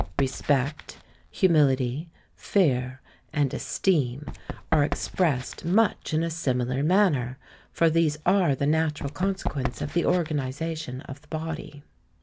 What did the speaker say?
Respect, humility, fear, and esteem, are expressed much in a similar manner, for these are the natural consequence of the organisation of the body.